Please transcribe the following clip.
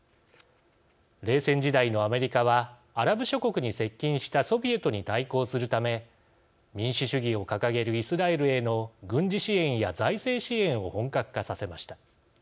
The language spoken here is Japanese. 冷戦時代のアメリカはアラブ諸国に接近したソビエトに対抗するため民主主義を掲げるイスラエルへの軍事支援や財政支援を本格化させました。